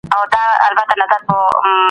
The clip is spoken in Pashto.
موږ بايد شعوري انسانان وروزو.